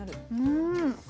うん。